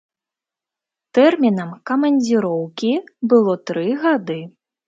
Тэрмінам камандзіроўкі было тры гады.